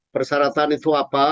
persyaratan itu apa